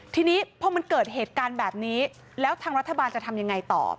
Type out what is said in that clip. ทีนี้พอมันเกิดเหตุการณ์แบบนี้แล้วทางรัฐบาลจะทำยังไงต่อ